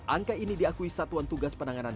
angka ini diakui satuan tugas penanganan